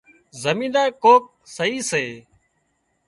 زمينۮار ڪوڪ سئي سي